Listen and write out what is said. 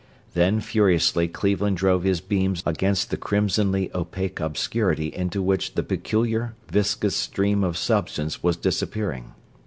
Then furiously Cleveland drove his beams against the crimsonly opaque obscurity into which the peculiar, viscous stream of substance was disappearing.